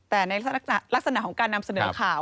แต่ในลักษณะของการนำเสนอข่าว